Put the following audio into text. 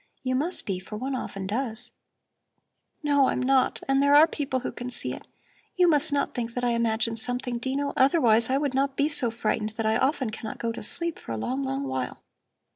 You must be, for one often does." "No, I'm not, and there are people who can see it. You must not think that I imagine something, Dino; otherwise I would not be so frightened that I often cannot go to sleep for a long, long while.